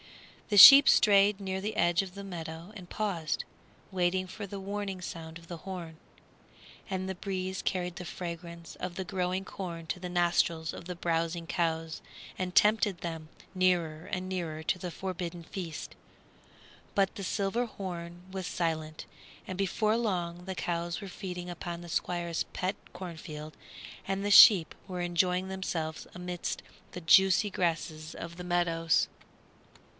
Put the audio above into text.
The sheep strayed near the edge of the meadow and paused, waiting for the warning sound of the horn. And the breeze carried the fragrance of the growing corn to the nostrils of the browsing cows and tempted them nearer and nearer to the forbidden feast. But the silver horn was silent, and before long the cows were feeding upon the Squire's pet cornfield and the sheep were enjoying themselves amidst the juicy grasses of the meadows.